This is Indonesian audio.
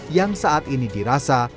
yang saat ini dirasa